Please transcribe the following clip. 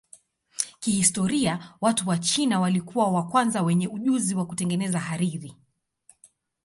Kihistoria watu wa China walikuwa wa kwanza wenye ujuzi wa kutengeneza hariri.